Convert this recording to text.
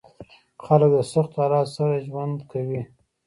خلک د سختو حالاتو سره ژوند کوي.